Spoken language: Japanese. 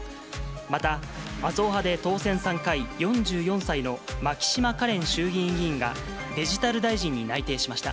また麻生派で当選３回、４４歳の牧島かれん衆議院議員がデジタル大臣に内定しました。